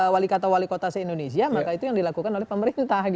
walikata walikota se indonesia maka itu yang dilakukan oleh pemerintah